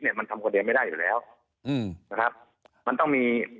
มันทำคนเดียวไม่ได้อยู่แล้วอืมนะครับมันต้องมี